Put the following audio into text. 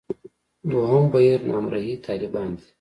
دویم بهیر نامرئي طالبان دي.